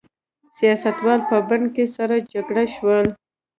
سیاستوال په بن کې سره جرګه شول.